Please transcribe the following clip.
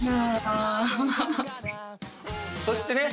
そしてね。